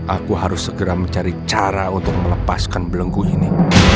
aku harus segera mencari cara untuk melepaskan belengku ini